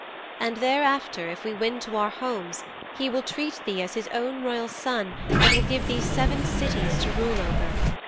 And thereafter, if we win to our homes he will treat thee as his own royal son and will give thee seven cities to rule over.